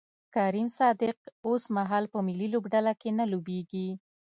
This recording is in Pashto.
کریم صادق اوسمهال په ملي لوبډله کې نه لوبیږي